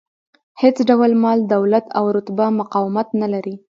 هېڅ ډول مال، دولت او رتبه مقاومت نه لري.